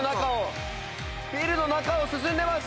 ビルの中を進んでます！